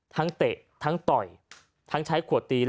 เตะทั้งต่อยทั้งใช้ขวดตี